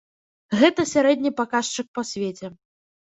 Гэта сярэдні паказчык па свеце.